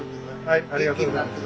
ありがとうございます。